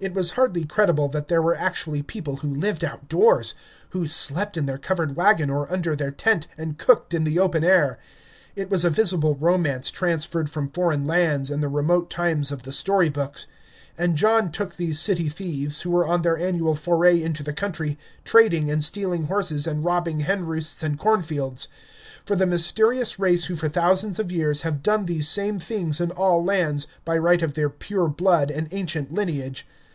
It was hardly credible that here were actually people who lived out doors, who slept in their covered wagon or under their tent, and cooked in the open air; it was a visible romance transferred from foreign lands and the remote times of the story books; and John took these city thieves, who were on their annual foray into the country, trading and stealing horses and robbing hen roosts and cornfields, for the mysterious race who for thousands of years have done these same things in all lands, by right of their pure blood and ancient lineage.